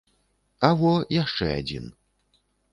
А во, яшчэ адзін.